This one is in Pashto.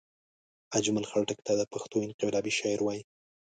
اجمل خټګ ته دا پښتو انقلابي شاعر وايي